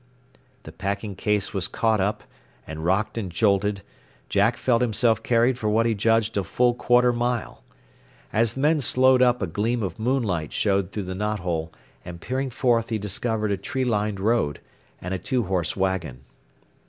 The packing case was caught up; and rocked and jolted, Jack felt himself carried for what he judged a full quarter mile. As the men slowed up a gleam of moonlight showed through the knot hole, and peering forth he discovered a tree lined road, and a two horse wagon.